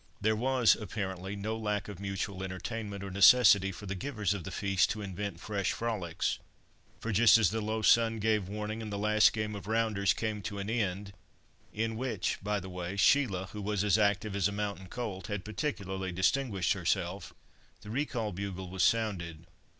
There was, apparently, no lack of mutual entertainment, or necessity for the givers of the feast to invent fresh frolics, for, just as the low sun gave warning, and the last game of "rounders" came to an end—in which, by the way, Sheila, who was as active as a mountain colt, had particularly distinguished herself—the recall bugle was sounded.